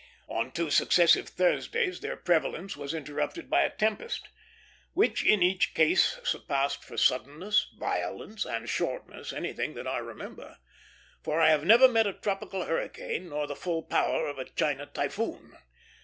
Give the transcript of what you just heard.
On two successive Thursdays their prevalence was interrupted by a tempest, which in each case surpassed for suddenness, violence, and shortness anything that I remember; for I have never met a tropical hurricane, nor the full power of a China typhoon.